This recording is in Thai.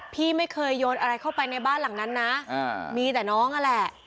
พี่ไม่เคยโยนอะไรเข้าไปในบ้านหลังนั้นนะมีแต่น้องนั่นแหละ